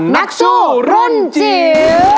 นักสู้รุ่นจี๊